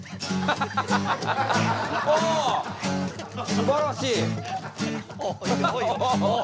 すばらしい！